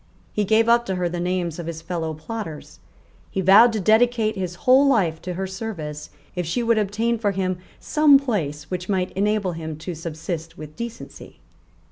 He gave up to her the names of his fellow plotters. He vowed to dedicate his whole life to her service, if she would obtain for him some place which might enable him to subsist with decency.